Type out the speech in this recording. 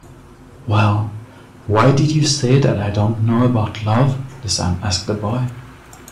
"Well, why did you say that I don't know about love?" the sun asked the boy.